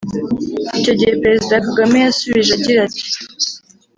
Icyo gihe Perezida Kagame yasubije agira ati